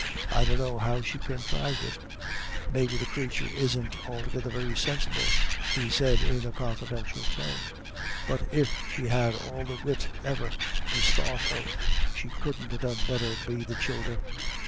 I dunno how she conthrived it. Maybe the crathur isn't altogether over sinsible," he said in a confidential tone; "but if she'd had all the wit ever was thought of, she couldn't ha' done better be the childer.